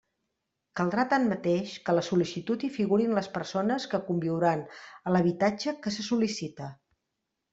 Caldrà, tanmateix, que a la sol·licitud hi figurin les persones que conviuran a l'habitatge que se sol·licita.